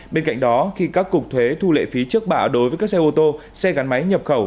bên cạnh đó khi các cục thuế thu lệ phí trước bạ đối với các xe ô tô xe gắn máy nhập khẩu